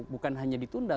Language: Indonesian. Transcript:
bukan hanya ditunda